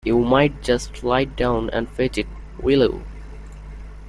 You might just slide down and fetch it, will you?